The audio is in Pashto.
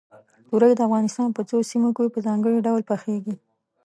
تورۍ د افغانستان په څو سیمو کې په ځانګړي ډول پخېږي.